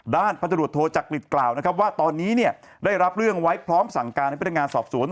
ด้านพันธุรกิจโทรจากฤทธิ์กล่าวว่าตอนนี้ได้รับเรื่องไว้พร้อมสั่งการให้พนักงานสอบสวน